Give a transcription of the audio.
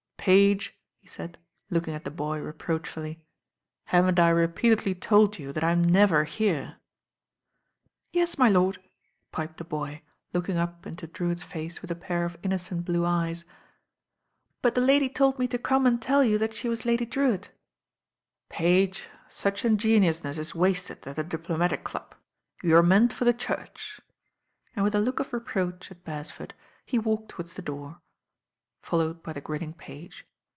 "Page," he said, looking at the boy reproachfully, "haven't I repeatedly told you that I'm never here?" "Yes, my lord," piped the boy, looking up into LADY DREWITT»S ALARM S91 "I Drewitt*s face with a pair of innocent blue eyes, "but the lady told me to come and tell you that she was Lady Drewitt." "Page, such ingenuousness is wasted at the Diplo matic Club, you were meant for the Church," and with a look of reproach at Beresford, he walked towards the door, followed by the grinning page.